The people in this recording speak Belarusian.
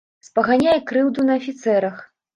Спаганяе крыўду на афіцэрах.